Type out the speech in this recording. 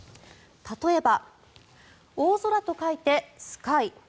例えば「大空」と書いて「すかい」。